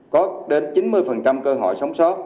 có đến chín mươi cơ hội sống sót